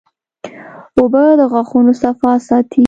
اوبه د غاښونو صفا ساتي